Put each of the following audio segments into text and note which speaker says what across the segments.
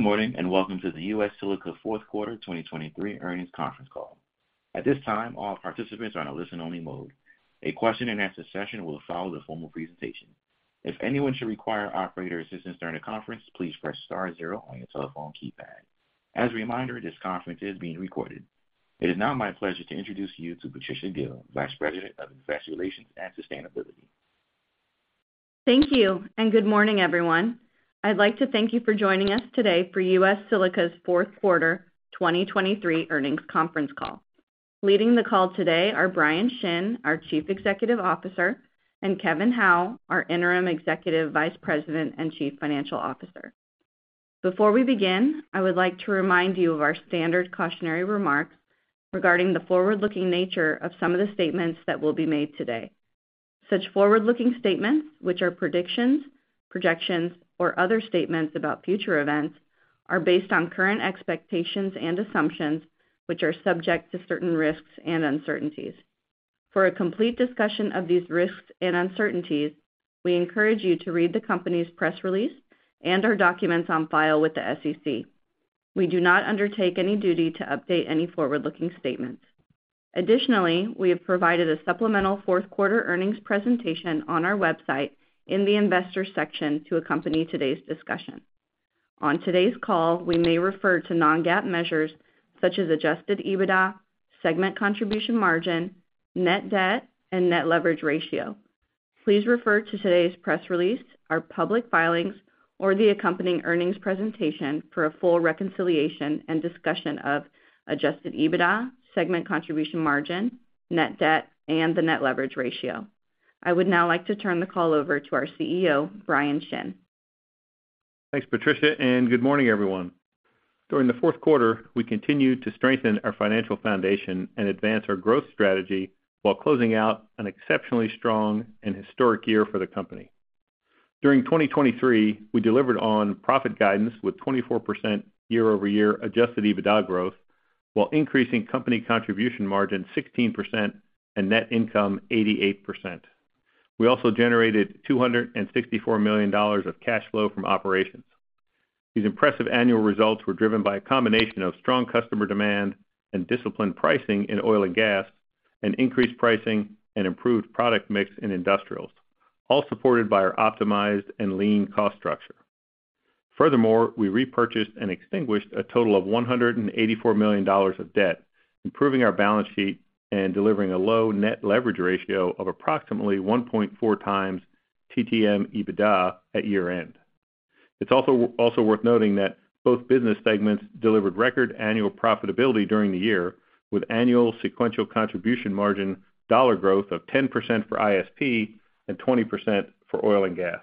Speaker 1: Good morning, and welcome to the U.S. Silica fourth quarter 2023 earnings conference call. At this time, all participants are on a listen-only mode. A question-and-answer session will follow the formal presentation. If anyone should require operator assistance during the conference, please press star zero on your telephone keypad. As a reminder, this conference is being recorded. It is now my pleasure to introduce you to Patricia Gil, Vice President of Investor Relations and Sustainability.
Speaker 2: Thank you, and good morning, everyone. I'd like to thank you for joining us today for U.S. Silica's fourth quarter 2023 earnings conference call. Leading the call today are Bryan Shinn, our Chief Executive Officer, and Kevin Hough, our Interim Executive Vice President and Chief Financial Officer. Before we begin, I would like to remind you of our standard cautionary remarks regarding the forward-looking nature of some of the statements that will be made today. Such forward-looking statements, which are predictions, projections, or other statements about future events, are based on current expectations and assumptions, which are subject to certain risks and uncertainties. For a complete discussion of these risks and uncertainties, we encourage you to read the company's press release and our documents on file with the SEC. We do not undertake any duty to update any forward-looking statements. Additionally, we have provided a supplemental fourth quarter earnings presentation on our website in the investor section to accompany today's discussion. On today's call, we may refer to non-GAAP measures such as Adjusted EBITDA, segment contribution margin, net debt, and net leverage ratio. Please refer to today's press release, our public filings, or the accompanying earnings presentation for a full reconciliation and discussion of Adjusted EBITDA, segment contribution margin, net debt, and the net leverage ratio. I would now like to turn the call over to our CEO, Bryan Shinn.
Speaker 3: Thanks, Patricia, and good morning, everyone. During the fourth quarter, we continued to strengthen our financial foundation and advance our growth strategy while closing out an exceptionally strong and historic year for the company. During 2023, we delivered on profit guidance with 24% year-over-year Adjusted EBITDA growth, while increasing company contribution margin 16% and net income 88%. We also generated $264 million of cash flow from operations. These impressive annual results were driven by a combination of strong customer demand and disciplined pricing in oil and gas, and increased pricing and improved product mix in industrials, all supported by our optimized and lean cost structure. Furthermore, we repurchased and extinguished a total of $184 million of debt, improving our balance sheet and delivering a low net leverage ratio of approximately 1.4 times TTM EBITDA at year-end. It's also worth noting that both business segments delivered record annual profitability during the year, with annual sequential contribution margin dollar growth of 10% for ISP and 20% for oil and gas.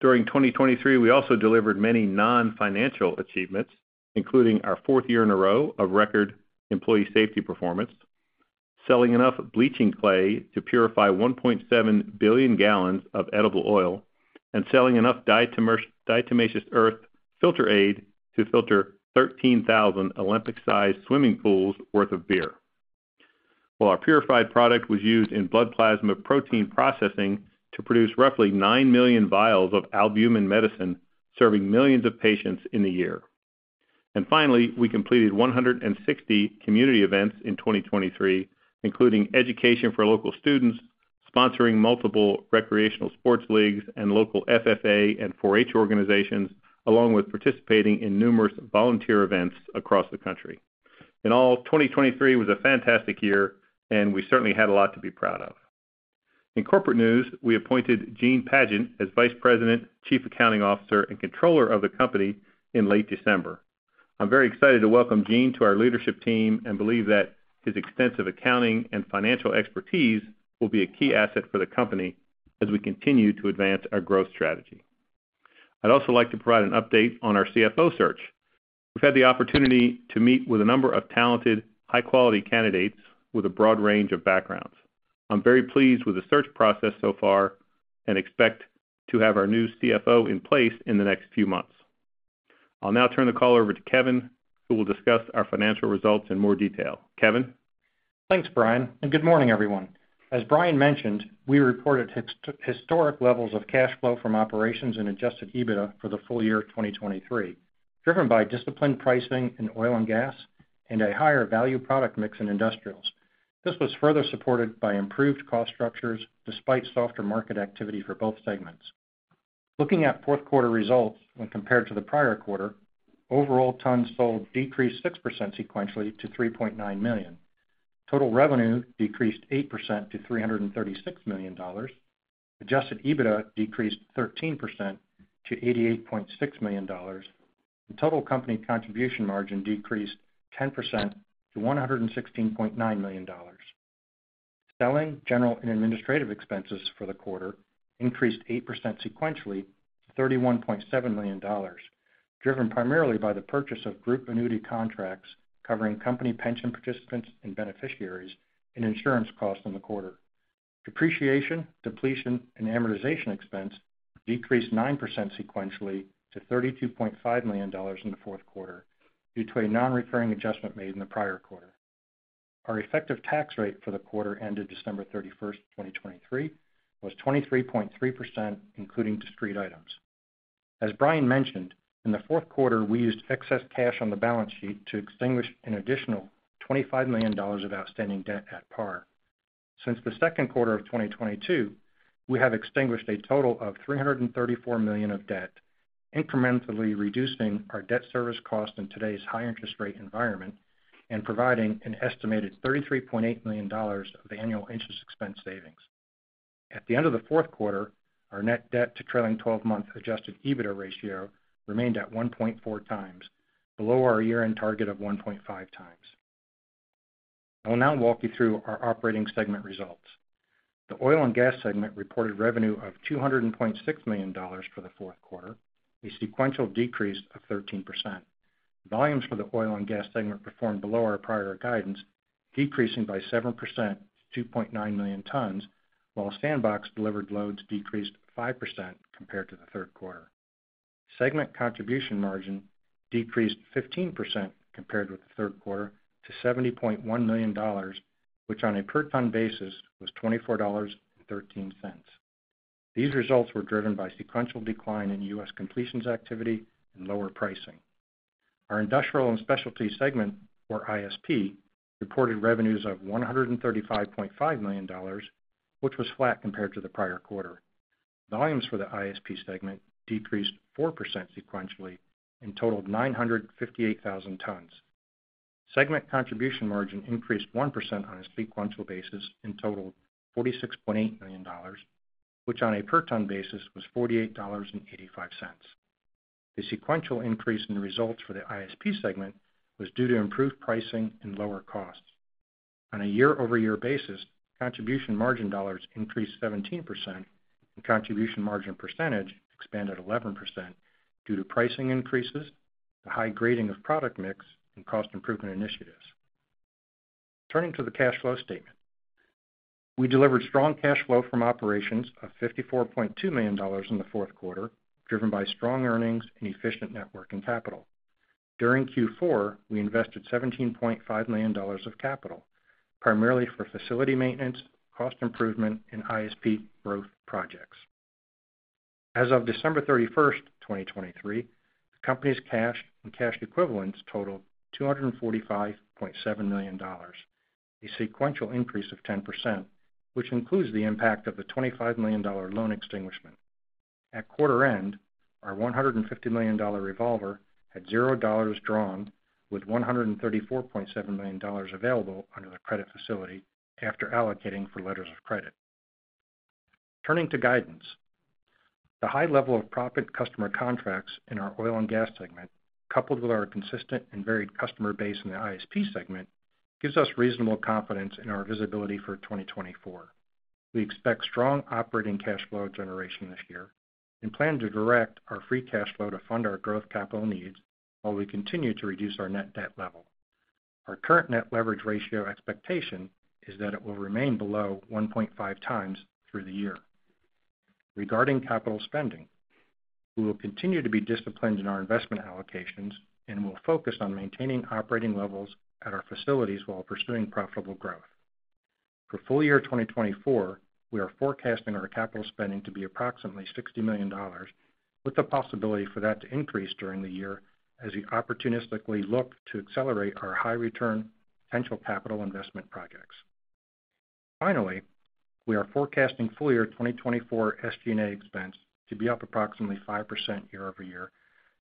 Speaker 3: During 2023, we also delivered many non-financial achievements, including our fourth year in a row of record employee safety performance, selling enough bleaching clay to purify 1.7 billion gallons of edible oil, and selling enough diatomaceous earth filter aid to filter 13,000 Olympic-sized swimming pools worth of beer. While our purified product was used in blood plasma protein processing to produce roughly 9 million vials of albumin medicine, serving millions of patients in the year. And finally, we completed 160 community events in 2023, including education for local students, sponsoring multiple recreational sports leagues and local FFA and 4-H organizations, along with participating in numerous volunteer events across the country. In all, 2023 was a fantastic year, and we certainly had a lot to be proud of. In corporate news, we appointed Gene Padgett as Vice President, Chief Accounting Officer, and Controller of the company in late December. I'm very excited to welcome Gene to our leadership team and believe that his extensive accounting and financial expertise will be a key asset for the company as we continue to advance our growth strategy. I'd also like to provide an update on our CFO search. We've had the opportunity to meet with a number of talented, high-quality candidates with a broad range of backgrounds. I'm very pleased with the search process so far and expect to have our new CFO in place in the next few months. I'll now turn the call over to Kevin, who will discuss our financial results in more detail. Kevin?
Speaker 4: Thanks, Bryan, and good morning, everyone. As Bryan mentioned, we reported historic levels of cash flow from operations and Adjusted EBITDA for the full year of 2023, driven by disciplined pricing in oil and gas and a higher value product mix in industrials. This was further supported by improved cost structures, despite softer market activity for both segments. Looking at fourth quarter results when compared to the prior quarter, overall tons sold decreased 6% sequentially to 3.9 million. Total revenue decreased 8% to $336 million. Adjusted EBITDA decreased 13% to $88.6 million. The total company contribution margin decreased 10% to $116.9 million. Selling, general, and administrative expenses for the quarter increased 8% sequentially to $31.7 million, driven primarily by the purchase of group annuity contracts covering company pension participants and beneficiaries, and insurance costs in the quarter. Depreciation, depletion, and amortization expense decreased 9% sequentially to $32.5 million in the fourth quarter due to a non-recurring adjustment made in the prior quarter. Our effective tax rate for the quarter ended December 31, 2023, was 23.3%, including discrete items. As Bryan mentioned, in the fourth quarter, we used excess cash on the balance sheet to extinguish an additional $25 million of outstanding debt at par. Since the second quarter of 2022, we have extinguished a total of $334 million of debt, incrementally reducing our debt service cost in today's high interest rate environment, and providing an estimated $33.8 million of annual interest expense savings. At the end of the fourth quarter, our net debt to trailing 12 month Adjusted EBITDA ratio remained at 1.4 times, below our year-end target of 1.5 times. I will now walk you through our operating segment results. The oil and gas segment reported revenue of $200.6 million for the fourth quarter, a sequential decrease of 13%. Volumes for the oil and gas segment performed below our prior guidance, decreasing by 7% to 2.9 million tons, while SandBox delivered loads decreased 5% compared to the third quarter. Segment contribution margin decreased 15% compared with the third quarter to $70.1 million, which on a per-ton basis, was $24.13. These results were driven by sequential decline in U.S. completions activity and lower pricing. Our industrial and specialty segment, or ISP, reported revenues of $135.5 million, which was flat compared to the prior quarter. Volumes for the ISP segment decreased 4% sequentially and totaled 958,000 tons. Segment contribution margin increased 1% on a sequential basis and totaled $46.8 million, which on a per-ton basis, was $48.85. The sequential increase in results for the ISP segment was due to improved pricing and lower costs. On a year-over-year basis, contribution margin dollars increased 17%, and contribution margin percentage expanded 11% due to pricing increases, the high grading of product mix, and cost improvement initiatives. Turning to the cash flow statement. We delivered strong cash flow from operations of $54.2 million in the fourth quarter, driven by strong earnings and efficient network and capital. During Q4, we invested $17.5 million of capital, primarily for facility maintenance, cost improvement, and ISP growth projects. As of December 31, 2023, the company's cash and cash equivalents totaled $245.7 million, a sequential increase of 10%, which includes the impact of the $25 million loan extinguishment. At quarter end, our $150 million revolver had $0 drawn, with $134.7 million available under the credit facility after allocating for letters of credit. Turning to guidance. The high level of proppant customer contracts in our oil and gas segment, coupled with our consistent and varied customer base in the ISP segment, gives us reasonable confidence in our visibility for 2024. We expect strong operating cash flow generation this year and plan to direct our free cash flow to fund our growth capital needs while we continue to reduce our net debt level. Our current net leverage ratio expectation is that it will remain below 1.5 times through the year. Regarding capital spending, we will continue to be disciplined in our investment allocations and will focus on maintaining operating levels at our facilities while pursuing profitable growth. For full year 2024, we are forecasting our capital spending to be approximately $60 million, with the possibility for that to increase during the year as we opportunistically look to accelerate our high return potential capital investment projects. Finally, we are forecasting full year 2024 SG&A expense to be up approximately 5% year-over-year,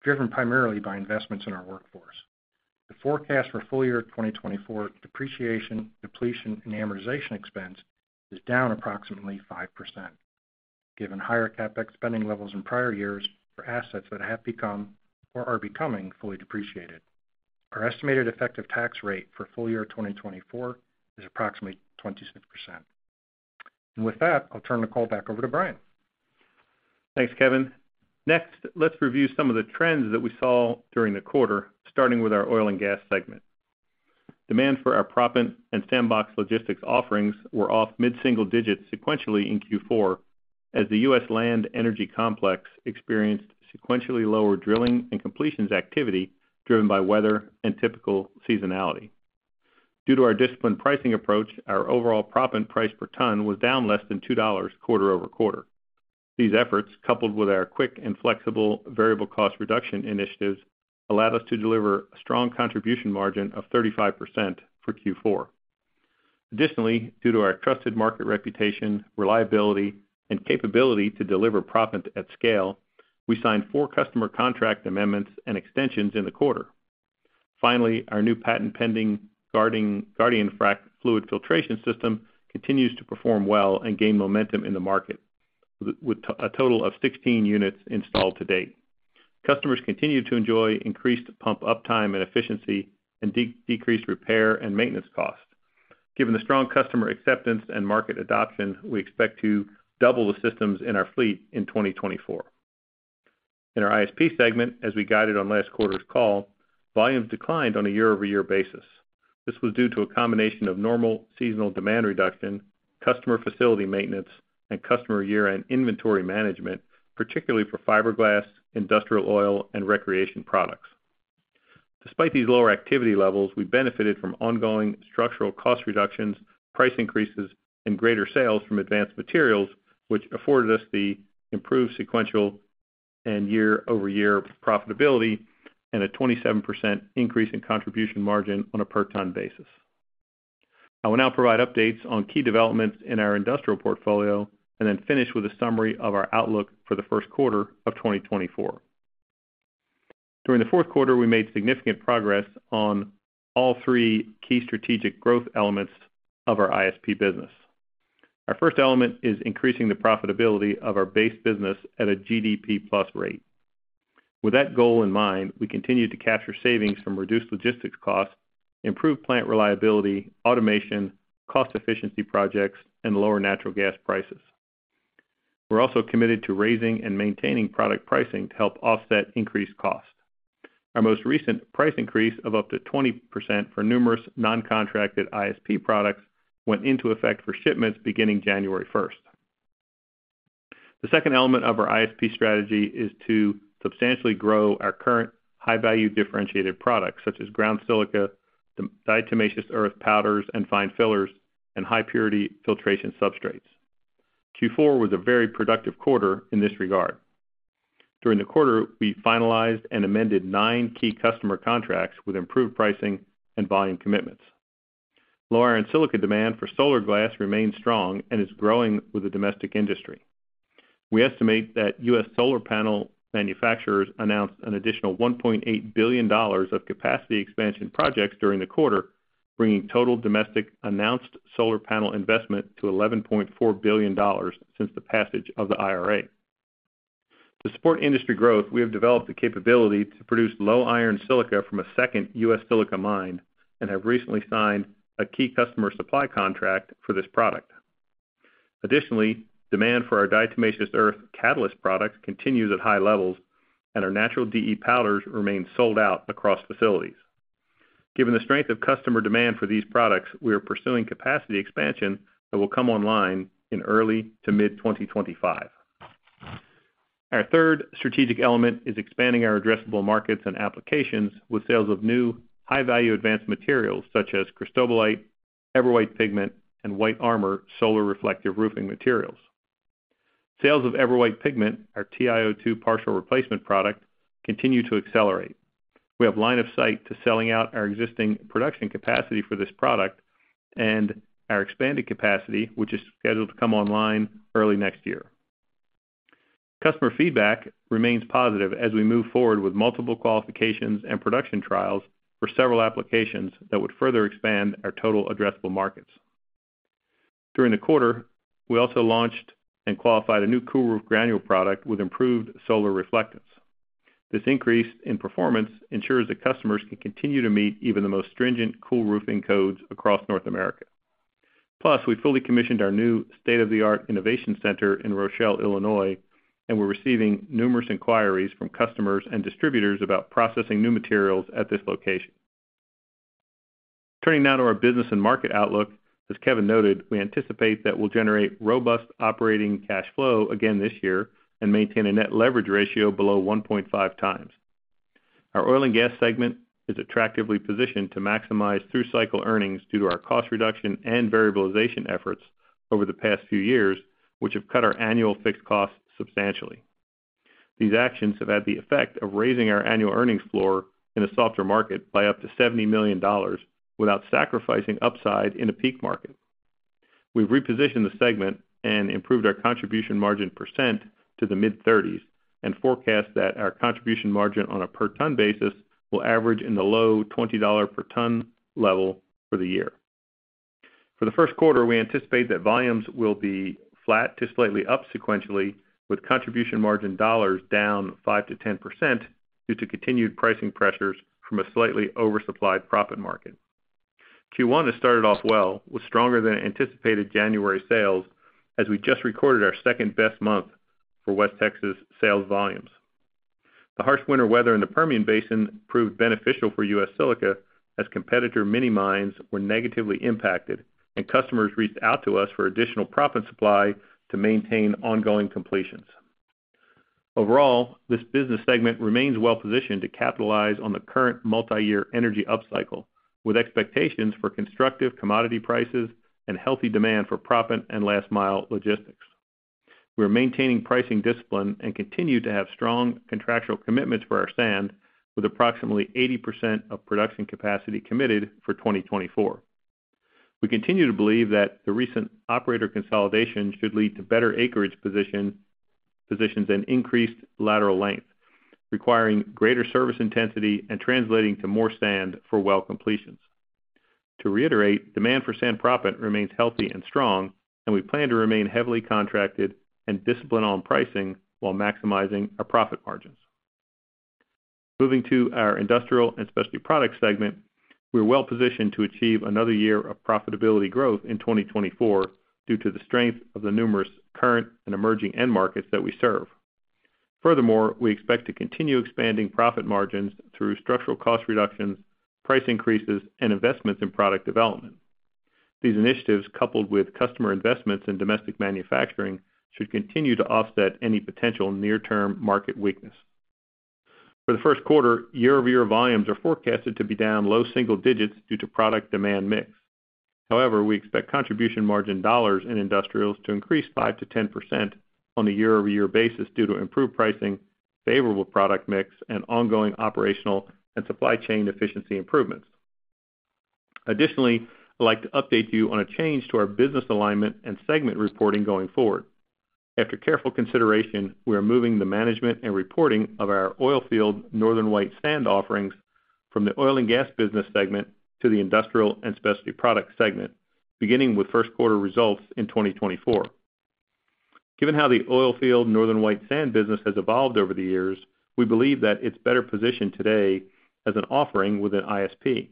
Speaker 4: driven primarily by investments in our workforce. The forecast for full year 2024 depreciation, depletion, and amortization expense is down approximately 5%, given higher CapEx spending levels in prior years for assets that have become or are becoming fully depreciated. Our estimated effective tax rate for full year 2024 is approximately 26%. With that, I'll turn the call back over to Bryan.
Speaker 3: Thanks, Kevin. Next, let's review some of the trends that we saw during the quarter, starting with our oil and gas segment. Demand for our proppant and SandBox Logistics offerings were off mid-single digits sequentially in Q4, as the U.S. land energy complex experienced sequentially lower drilling and completions activity, driven by weather and typical seasonality. Due to our disciplined pricing approach, our overall proppant price per ton was down less than $2 quarter-over-quarter. These efforts, coupled with our quick and flexible variable cost reduction initiatives, allowed us to deliver a strong contribution margin of 35% for Q4. Additionally, due to our trusted market reputation, reliability, and capability to deliver proppant at scale, we signed four customer contract amendments and extensions in the quarter. Finally, our new patent-pending Guardian frac fluid filtration system continues to perform well and gain momentum in the market, with a total of 16 units installed to date. Customers continue to enjoy increased pump uptime and efficiency and decreased repair and maintenance costs. Given the strong customer acceptance and market adoption, we expect to double the systems in our fleet in 2024. In our ISP segment, as we guided on last quarter's call, volumes declined on a year-over-year basis. This was due to a combination of normal seasonal demand reduction, customer facility maintenance, and customer year-end inventory management, particularly for fiberglass, industrial oil, and recreation products. Despite these lower activity levels, we benefited from ongoing structural cost reductions, price increases, and greater sales from advanced materials, which afforded us the improved sequential and year-over-year profitability, and a 27% increase in contribution margin on a per-ton basis. I will now provide updates on key developments in our industrial portfolio, and then finish with a summary of our outlook for the first quarter of 2024. During the fourth quarter, we made significant progress on all 3 key strategic growth elements of our ISP business. Our first element is increasing the profitability of our base business at a GDP plus rate. With that goal in mind, we continued to capture savings from reduced logistics costs, improved plant reliability, automation, cost efficiency projects, and lower natural gas prices. We're also committed to raising and maintaining product pricing to help offset increased costs. Our most recent price increase of up to 20% for numerous non-contracted ISP products went into effect for shipments beginning January 1st. The second element of our ISP strategy is to substantially grow our current high-value differentiated products, such as ground silica, diatomaceous earth powders, and fine fillers, and high-purity filtration substrates. Q4 was a very productive quarter in this regard. During the quarter, we finalized and amended nine key customer contracts with improved pricing and volume commitments. Low iron silica demand for solar glass remains strong and is growing with the domestic industry. We estimate that U.S. solar panel manufacturers announced an additional $1.8 billion of capacity expansion projects during the quarter, bringing total domestic announced solar panel investment to $11.4 billion since the passage of the IRA. To support industry growth, we have developed the capability to produce low-iron silica from a second U.S. Silica mine and have recently signed a key customer supply contract for this product. Additionally, demand for our diatomaceous earth catalyst products continues at high levels, and our natural DE powders remain sold out across facilities. Given the strength of customer demand for these products, we are pursuing capacity expansion that will come online in early to mid-2025. Our third strategic element is expanding our addressable markets and applications with sales of new, high-value advanced materials such as cristobalite, EverWhite pigment, and White Armor solar reflective roofing materials. Sales of EverWhite pigment, our TiO2 partial replacement product, continue to accelerate. We have line of sight to selling out our existing production capacity for this product and our expanded capacity, which is scheduled to come online early next year. Customer feedback remains positive as we move forward with multiple qualifications and production trials for several applications that would further expand our total addressable markets. During the quarter, we also launched and qualified a new cool roof granule product with improved solar reflectance. This increase in performance ensures that customers can continue to meet even the most stringent cool roofing codes across North America. Plus, we fully commissioned our new state-of-the-art innovation center in Rochelle, Illinois, and we're receiving numerous inquiries from customers and distributors about processing new materials at this location. Turning now to our business and market outlook, as Kevin noted, we anticipate that we'll generate robust operating cash flow again this year and maintain a net leverage ratio below 1.5 times. Our oil and gas segment is attractively positioned to maximize through-cycle earnings due to our cost reduction and variabilization efforts over the past few years, which have cut our annual fixed costs substantially. These actions have had the effect of raising our annual earnings floor in a softer market by up to $70 million without sacrificing upside in a peak market. We've repositioned the segment and improved our contribution margin percent to the mid-30s% and forecast that our contribution margin on a per-ton basis will average in the low $20 per ton level for the year. For the first quarter, we anticipate that volumes will be flat to slightly up sequentially, with contribution margin dollars down 5%-10% due to continued pricing pressures from a slightly oversupplied proppant market. Q1 has started off well, with stronger than anticipated January sales, as we just recorded our second-best month for West Texas sales volumes. The harsh winter weather in the Permian Basin proved beneficial for U.S. Silica, as competitor mini mines were negatively impacted, and customers reached out to us for additional proppant supply to maintain ongoing completions. Overall, this business segment remains well positioned to capitalize on the current multiyear energy upcycle, with expectations for constructive commodity prices and healthy demand for proppant and last-mile logistics. We are maintaining pricing discipline and continue to have strong contractual commitments for our sand, with approximately 80% of production capacity committed for 2024. We continue to believe that the recent operator consolidation should lead to better acreage positions and increased lateral length, requiring greater service intensity and translating to more sand for well completions. To reiterate, demand for sand proppant remains healthy and strong, and we plan to remain heavily contracted and disciplined on pricing while maximizing our proppant margins. Moving to our industrial and specialty products segment, we're well positioned to achieve another year of profitability growth in 2024 due to the strength of the numerous current and emerging end markets that we serve.... Furthermore, we expect to continue expanding profit margins through structural cost reductions, price increases, and investments in product development. These initiatives, coupled with customer investments in domestic manufacturing, should continue to offset any potential near-term market weakness. For the first quarter, year-over-year volumes are forecasted to be down low single digits due to product demand mix. However, we expect contribution margin dollars in industrials to increase 5%-10% on a year-over-year basis due to improved pricing, favorable product mix, and ongoing operational and supply chain efficiency improvements. Additionally, I'd like to update you on a change to our business alignment and segment reporting going forward. After careful consideration, we are moving the management and reporting of our oil field Northern White Sand offerings from the oil and gas business segment to the industrial and specialty product segment, beginning with first quarter results in 2024. Given how the oil field Northern White Sand business has evolved over the years, we believe that it's better positioned today as an offering within ISP.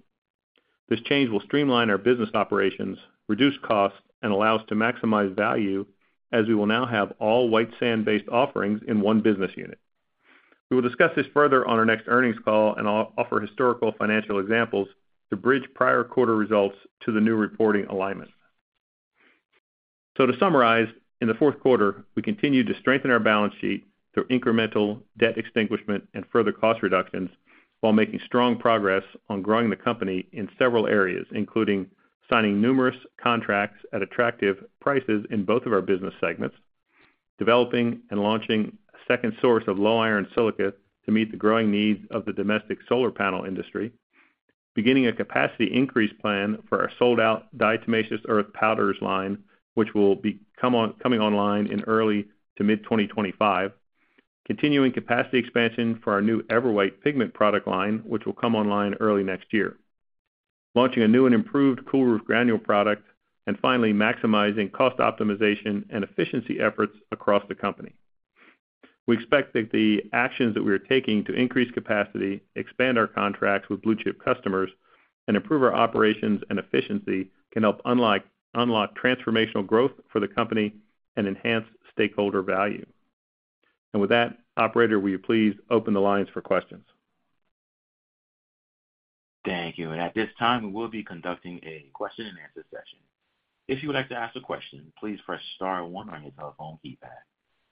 Speaker 3: This change will streamline our business operations, reduce costs, and allow us to maximize value as we will now have all white sand-based offerings in one business unit. We will discuss this further on our next earnings call and offer historical financial examples to bridge prior quarter results to the new reporting alignment. So to summarize, in the fourth quarter, we continued to strengthen our balance sheet through incremental debt extinguishment and further cost reductions, while making strong progress on growing the company in several areas, including signing numerous contracts at attractive prices in both of our business segments, developing and launching a second source of low-iron silica to meet the growing needs of the domestic solar panel industry, beginning a capacity increase plan for our sold-out diatomaceous earth powders line, which will come online in early to mid-2025, continuing capacity expansion for our new EverWhite pigment product line, which will come online early next year, launching a new and improved cool roof granule product, and finally, maximizing cost optimization and efficiency efforts across the company. We expect that the actions that we are taking to increase capacity, expand our contracts with blue-chip customers, and improve our operations and efficiency, can help unlock transformational growth for the company and enhance stakeholder value. With that, operator, will you please open the lines for questions?
Speaker 1: Thank you. At this time, we will be conducting a question-and-answer session. If you would like to ask a question, please press star one on your telephone keypad.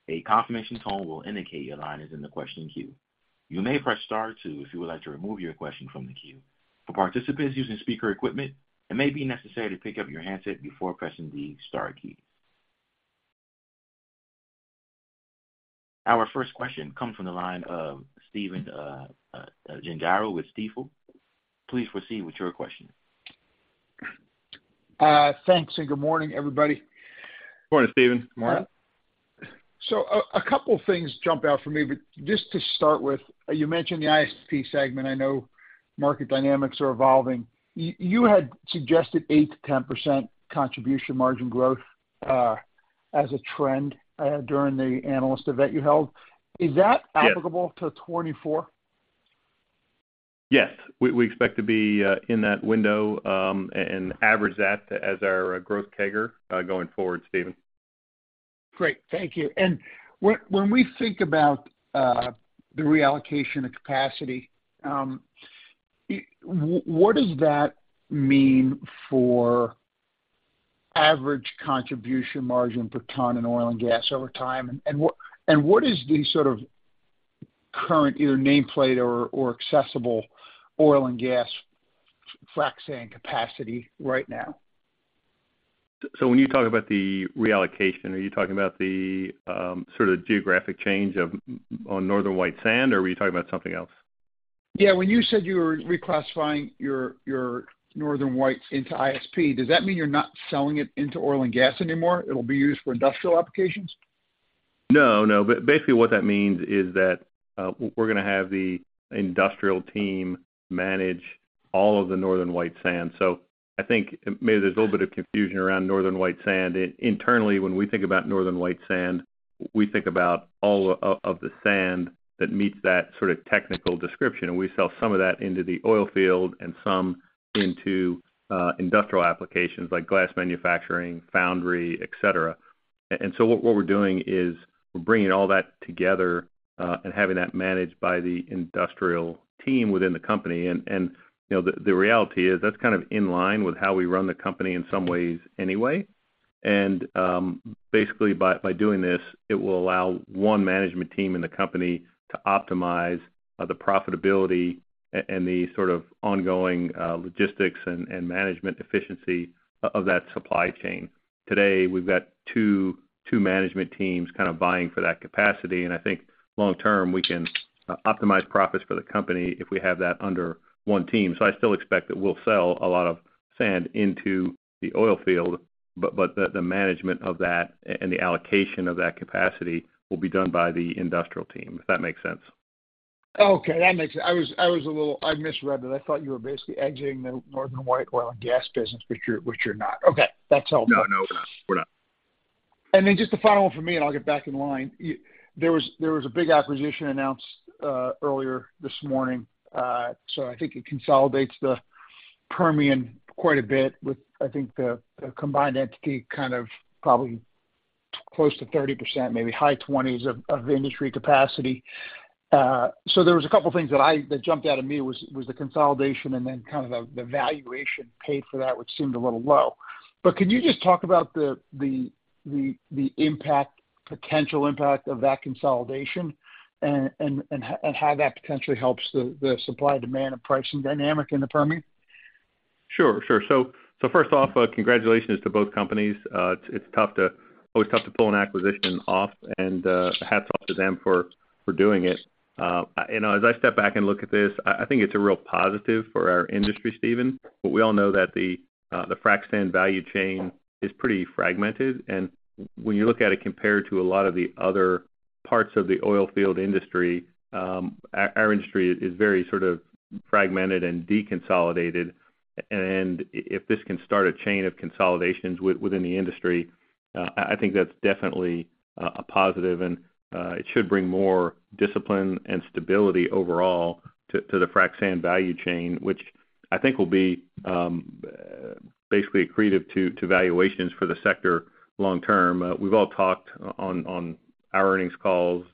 Speaker 1: A confirmation tone will indicate your line is in the question queue. You may press star two if you would like to remove your question from the queue. For participants using speaker equipment, it may be necessary to pick up your handset before pressing the star key. Our first question comes from the line of Stephen Gengaro with Stifel. Please proceed with your question.
Speaker 5: Thanks, and good morning, everybody.
Speaker 3: Good morning, Stephen.
Speaker 5: Morning. So a couple of things jump out for me, but just to start with, you mentioned the ISP segment. I know market dynamics are evolving. You had suggested 8%-10% contribution margin growth as a trend during the analyst event you held.
Speaker 3: Yes.
Speaker 5: Is that applicable to 2024?
Speaker 3: Yes, we expect to be in that window and average that as our growth CAGR going forward, Stephen.
Speaker 5: Great. Thank you. And when we think about the reallocation of capacity, what does that mean for average contribution margin per ton in oil and gas over time? And what is the sort of current, either nameplate or accessible oil and gas frac sand capacity right now?
Speaker 3: So when you talk about the reallocation, are you talking about the sort of geographic change on Northern White Sand, or were you talking about something else?
Speaker 5: Yeah, when you said you were reclassifying your, your Northern White into ISP, does that mean you're not selling it into oil and gas anymore? It'll be used for industrial applications?
Speaker 3: No, no. But basically, what that means is that, we're gonna have the industrial team manage all of the Northern White Sand. So I think maybe there's a little bit of confusion around Northern White Sand. Internally, when we think about Northern White Sand, we think about all of the sand that meets that sort of technical description, and we sell some of that into the oil field and some into industrial applications like glass manufacturing, foundry, et cetera. And so what we're doing is we're bringing all that together, and having that managed by the industrial team within the company. And you know, the reality is that's kind of in line with how we run the company in some ways anyway. Basically, by doing this, it will allow one management team in the company to optimize the profitability and the sort of ongoing logistics and management efficiency of that supply chain. Today, we've got two management teams kind of buying for that capacity, and I think long term, we can optimize profits for the company if we have that under one team. So I still expect that we'll sell a lot of sand into the oil field, but the management of that and the allocation of that capacity will be done by the industrial team, if that makes sense.
Speaker 5: Okay, that makes sense. I was a little... I misread that. I thought you were basically hedging the Northern White oil and gas business, which you're not. Okay, that's all.
Speaker 3: No, no, we're not. We're not.
Speaker 5: And then just a final one for me, and I'll get back in line. There was a big acquisition announced earlier this morning. So I think it consolidates the Permian quite a bit, with, I think, the combined entity kind of probably close to 30%, maybe high 20s of industry capacity. So there was a couple things that jumped out at me, was the consolidation and then kind of the valuation paid for that, which seemed a little low. But could you just talk about the potential impact of that consolidation and how that potentially helps the supply, demand, and pricing dynamic in the Permian?
Speaker 3: Sure, sure. So, so first off, congratulations to both companies. It's always tough to pull an acquisition off, and hats off to them for doing it. You know, as I step back and look at this, I think it's a real positive for our industry, Stephen. But we all know that the frac sand value chain is pretty fragmented, and when you look at it compared to a lot of the other parts of the oil field industry, our industry is very sort of fragmented and deconsolidated. And if this can start a chain of consolidations within the industry, I think that's definitely a positive, and it should bring more discipline and stability overall to the frac sand value chain, which I think will be basically accretive to valuations for the sector long term. We've all talked on our earnings calls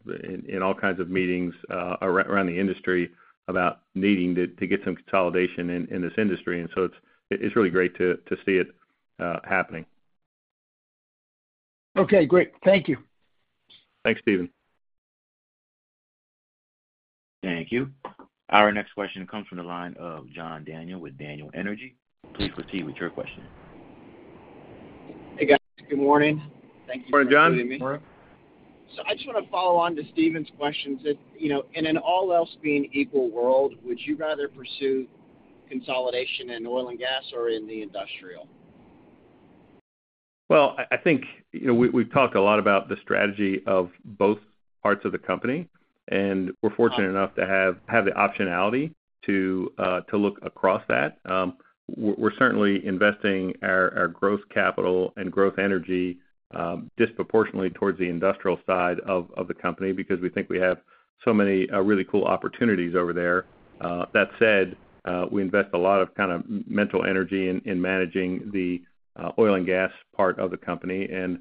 Speaker 3: in all kinds of meetings around the industry about needing to get some consolidation in this industry. And so it's really great to see it happening.
Speaker 5: Okay, great. Thank you.
Speaker 3: Thanks, Stephen.
Speaker 1: Thank you. Our next question comes from the line of John Daniel with Daniel Energy. Please proceed with your question.
Speaker 6: Hey, guys. Good morning. Thank you for including me.
Speaker 3: Morning, John.
Speaker 6: So I just want to follow on to Stephen's questions. If, you know, in an all else being equal world, would you rather pursue consolidation in oil and gas or in the industrial?
Speaker 3: Well, I think, you know, we've talked a lot about the strategy of both parts of the company, and we're fortunate enough to have the optionality to look across that. We're certainly investing our growth capital and growth energy disproportionately towards the industrial side of the company because we think we have so many really cool opportunities over there. That said, we invest a lot of kind of mental energy in managing the oil and gas part of the company, and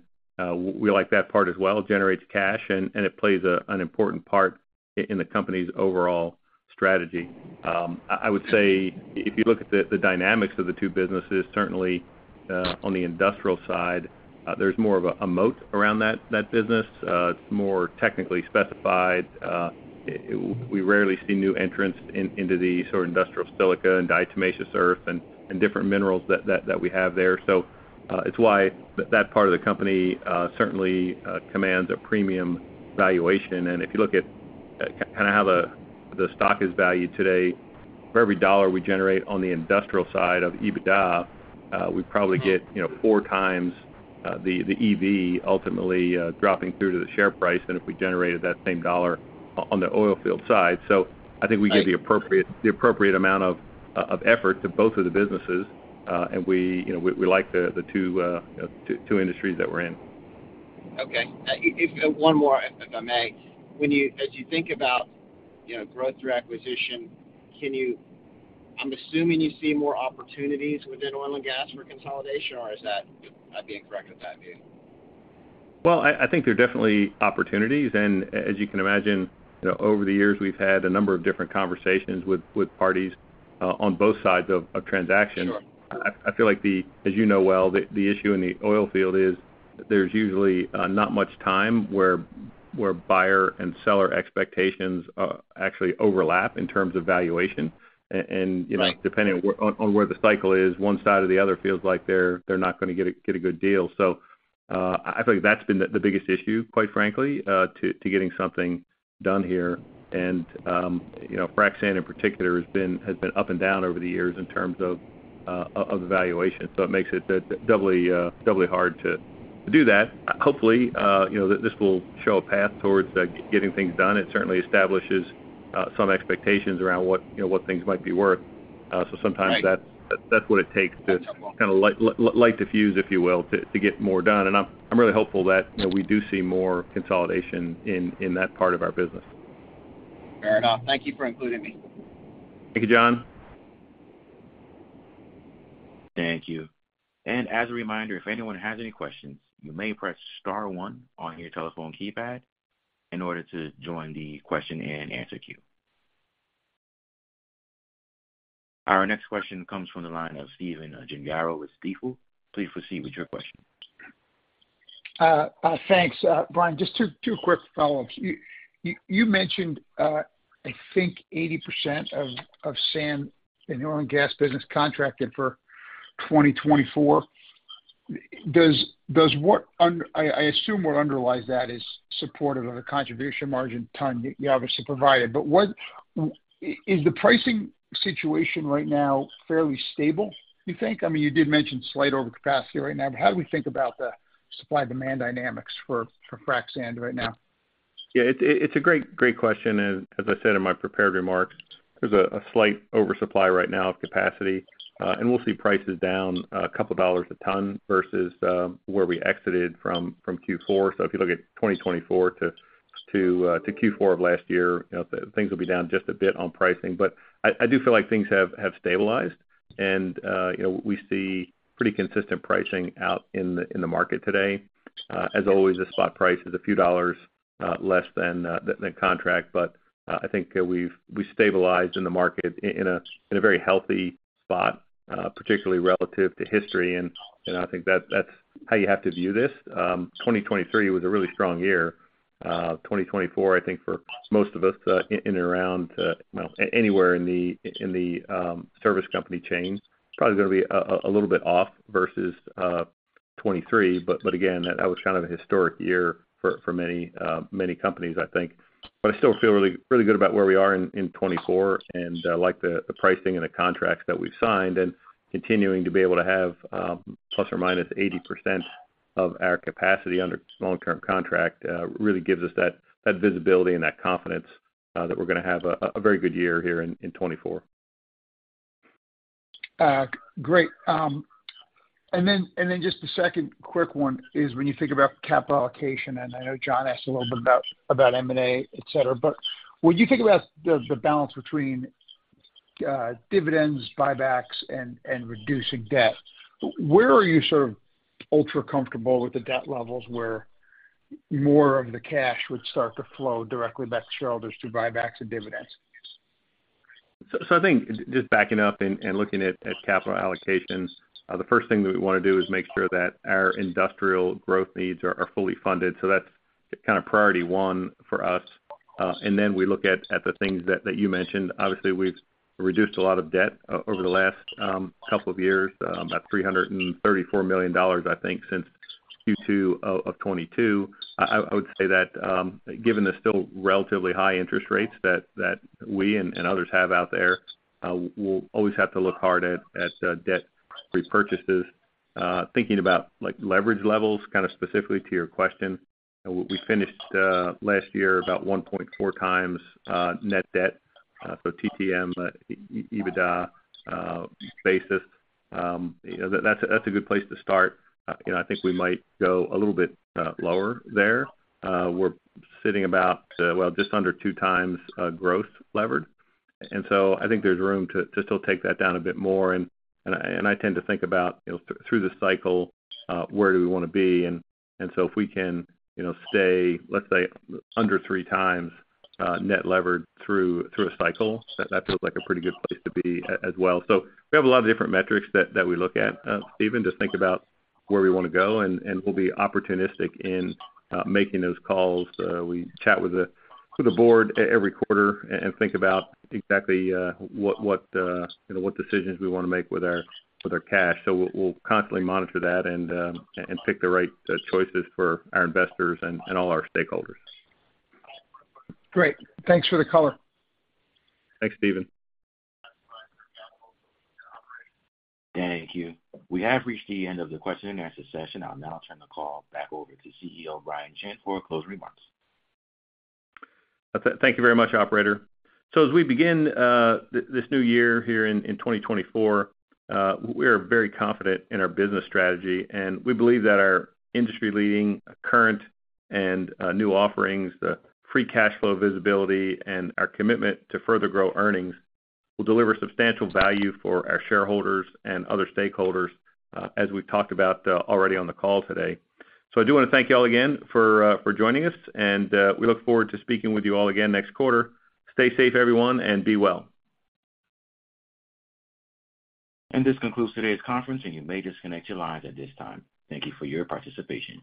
Speaker 3: we like that part as well. It generates cash, and it plays an important part in the company's overall strategy. I would say if you look at the dynamics of the two businesses, certainly, on the industrial side, there's more of a moat around that business. It's more technically specified. We rarely see new entrants into the sort of industrial silica and diatomaceous earth and different minerals that we have there. So, it's why that part of the company certainly commands a premium valuation. And if you look at kind of how the stock is valued today, for every dollar we generate on the industrial side of EBITDA, we probably get, you know, 4x the EV ultimately dropping through to the share price than if we generated that same dollar on the oil field side. So I think we give the appropriate-
Speaker 6: Right.
Speaker 3: the appropriate amount of effort to both of the businesses, and we, you know, we like the two industries that we're in.
Speaker 6: Okay. One more, if I may. When you as you think about, you know, growth through acquisition, can you? I'm assuming you see more opportunities within oil and gas for consolidation, or is that, am I being correct with that view?
Speaker 3: Well, I think there are definitely opportunities. And as you can imagine, you know, over the years, we've had a number of different conversations with parties on both sides of transactions.
Speaker 6: Sure.
Speaker 3: I feel like the... As you know well, the issue in the oil field is there's usually not much time where buyer and seller expectations actually overlap in terms of valuation. And you know-
Speaker 6: Right...
Speaker 3: depending on where the cycle is, one side or the other feels like they're not gonna get a good deal. So, I feel like that's been the biggest issue, quite frankly, to getting something done here. And, you know, frac sand in particular has been up and down over the years in terms of valuation, so it makes it doubly hard to do that. Hopefully, you know, this will show a path towards getting things done. It certainly establishes some expectations around what, you know, what things might be worth. So sometimes-
Speaker 6: Right...
Speaker 3: that's what it takes-
Speaker 6: That's helpful...
Speaker 3: to kind of light the fuse, if you will, to get more done. And I'm really hopeful that, you know, we do see more consolidation in that part of our business.
Speaker 6: Fair enough. Thank you for including me.
Speaker 3: Thank you, John.
Speaker 1: Thank you. As a reminder, if anyone has any questions, you may press star one on your telephone keypad in order to join the question-and-answer queue. Our next question comes from the line of Stephen Gengaro with Stifel. Please proceed with your question.
Speaker 5: Thanks, Bryan. Just two quick follow-ups. You mentioned I think 80% of sand in the oil and gas business contracted for 2024. Does what under... I assume what underlies that is supportive of the contribution margin ton you obviously provided. But what is the pricing situation right now fairly stable, you think? I mean, you did mention slight overcapacity right now, but how do we think about the supply-demand dynamics for frac sand right now?
Speaker 3: Yeah, it's a great, great question, and as I said in my prepared remarks, there's a slight oversupply right now of capacity, and we'll see prices down a couple of dollars a ton versus where we exited from Q4. So if you look at 2024 to Q4 of last year, you know, things will be down just a bit on pricing. But I do feel like things have stabilized, and you know, we see pretty consistent pricing out in the market today. As always, the spot price is a few dollars less than contract, but I think we've stabilized in the market in a very healthy spot, particularly relative to history. And I think that's how you have to view this. 2023 was a really strong year. 2024, I think for most of us, in and around, you know, anywhere in the service company chain, it's probably gonna be a little bit off versus 2023. But again, that was kind of a historic year for many companies, I think. But I still feel really good about where we are in 2024, and like the pricing and the contracts that we've signed, and continuing to be able to have ±80% of our capacity under long-term contract really gives us that visibility and that confidence that we're gonna have a very good year here in 2024.
Speaker 5: Great. And then just the second quick one is when you think about capital allocation, and I know John asked a little bit about M&A, et cetera, but when you think about the balance between dividends, buybacks, and reducing debt, where are you sort of ultra comfortable with the debt levels where more of the cash would start to flow directly back to shareholders through buybacks and dividends?
Speaker 3: I think just backing up and looking at capital allocations, the first thing that we wanna do is make sure that our industrial growth needs are fully funded. So that's kind of priority one for us. And then we look at the things that you mentioned. Obviously, we've reduced a lot of debt over the last couple of years, about $334 million, I think, since Q2 of 2022. I would say that, given the still relatively high interest rates that we and others have out there, we'll always have to look hard at debt repurchases. Thinking about, like, leverage levels, kind of specifically to your question, we finished last year about 1.4 times net debt so TTM EBITDA basis. You know, that's a, that's a good place to start. You know, I think we might go a little bit lower there. We're sitting about, well, just under two times gross leverage. And so I think there's room to still take that down a bit more. And I tend to think about, you know, through the cycle where do we wanna be? And so if we can, you know, stay, let's say, under 3 times net leverage through a cycle, that feels like a pretty good place to be as well. So we have a lot of different metrics that we look at, Stephen, just think about where we wanna go, and we'll be opportunistic in making those calls. We chat with the board every quarter and think about exactly what, you know, what decisions we wanna make with our cash. So we'll constantly monitor that and pick the right choices for our investors and all our stakeholders.
Speaker 5: Great. Thanks for the color.
Speaker 3: Thanks, Stephen.
Speaker 1: Thank you. We have reached the end of the question and answer session. I'll now turn the call back over to CEO Bryan Shinn for closing remarks.
Speaker 3: Thank you very much, operator. So as we begin, this new year here in 2024, we are very confident in our business strategy, and we believe that our industry-leading current and new offerings, the free cash flow visibility, and our commitment to further grow earnings will deliver substantial value for our shareholders and other stakeholders, as we've talked about already on the call today. So I do wanna thank you all again for joining us, and we look forward to speaking with you all again next quarter. Stay safe, everyone, and be well.
Speaker 1: This concludes today's conference, and you may disconnect your lines at this time. Thank you for your participation.